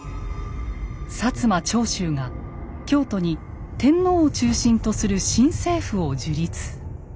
摩・長州が京都に天皇を中心とする新政府を樹立。